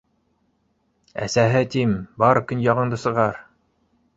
- Әсәһе, тим, бар коньягыңды сығар